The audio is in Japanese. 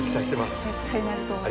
絶対なると思います。